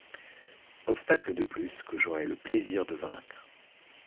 Obstacle de plus que j’aurai le plaisir de vaincre.